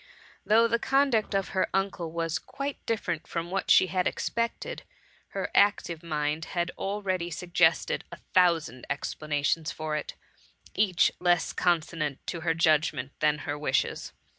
Though the conduct of her uncle was quite different from what she had expected, her active mind had already suggested a thousand explanations for it, each less consonant to her judgment than her wishes.